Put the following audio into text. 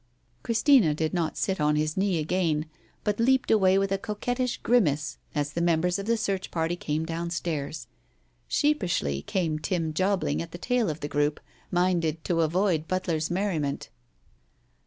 Christina did not sit on his knee again, but leaped away with a coquettish grimace as the members of the Digitized by Google THE BLUE BONNET 175 search party came downstairs. Sheepishly came Tim Jobling at the tail of the group, minded to avoid Butler's merriment.